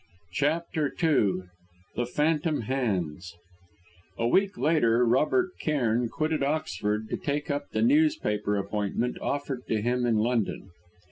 CHAPTER II THE PHANTOM HANDS A week later Robert Cairn quitted Oxford to take up the newspaper appointment offered to him in London.